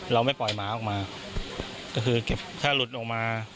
เราไม่ปล่อยหมาออกมาก็คือเก็บถ้าหลุดออกมา